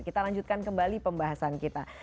kita lanjutkan kembali pembahasan kita